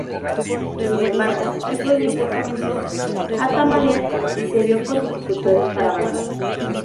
Sin embargo, el proyecto comenzó a tambalear y se vio con dificultades para avanzar.